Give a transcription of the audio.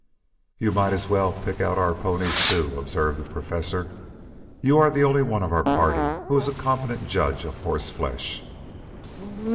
"You might as well pick out our ponies, too," observed the Professor. "You are the only one of our party who is a competent judge of horse flesh."